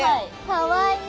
かわいい！